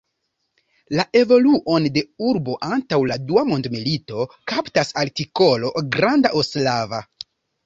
La evoluon de urbo antaŭ la dua mondmilito kaptas artikolo Granda Ostrava.